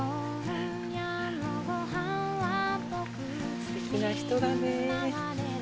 すてきな人だね。